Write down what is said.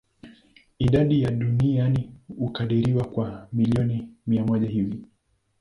Idadi yao duniani hukadiriwa kuwa milioni mia moja hivi.